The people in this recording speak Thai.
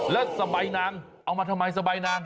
และสะใบนางเอามาทำไมสะใบนาง